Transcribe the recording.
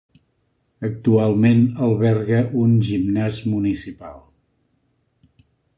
Actualment alberga un gimnàs municipal.